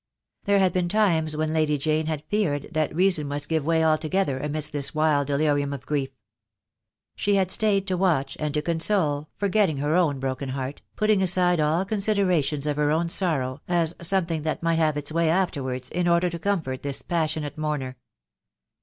There had been times when Lady Jane had feared that reason must give way alto gether amidst this wild delirium of grief. She had stayed to watch, and to console, forgetting her own broken heart, putting aside ail considerations of her own sorrow as something that might have its way afterwards, in order to comfort this passionate mourner.